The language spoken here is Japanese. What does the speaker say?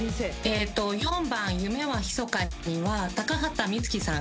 ４番『夢はひそかに』は高畑充希さん。